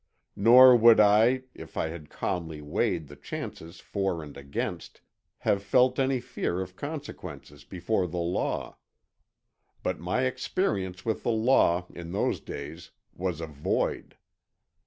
Nor would I, if I had calmly weighed the chances for and against, have felt any fear of consequences before the law. But my experience with the law, in those days, was a void.